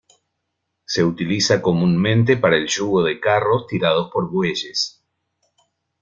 Se utiliza comúnmente para el yugo de carros tirados por bueyes.